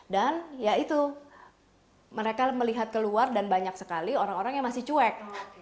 dan ya itu mereka melihat keluar dan banyak sekali orang orang yang masih cuek